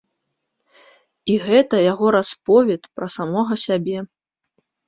І гэта яго расповед пра самога сабе.